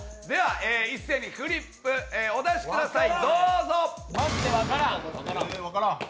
一斉にフリップお出しください。